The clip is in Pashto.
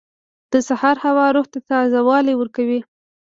• د سهار هوا روح ته تازه والی ورکوي.